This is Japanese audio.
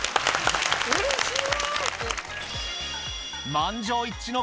うれしい！